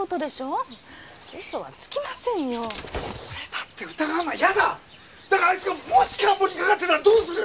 だがあいつがもし感冒にかかってたらどうする？